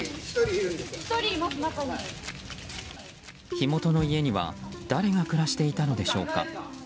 火元の家には誰が暮らしていたのでしょうか。